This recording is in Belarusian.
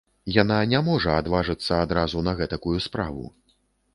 Яна не можа адважыцца адразу на гэтакую справу.